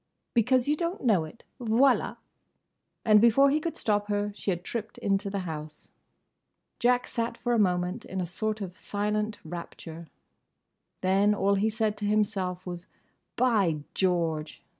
"Because you don't know it!—Voilà!" And before he could stop her she had tripped into the house. Jack sat for a moment in a sort of silent rapture. Then all he said to himself was "By George!"